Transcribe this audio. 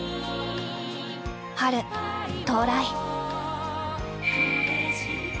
春到来。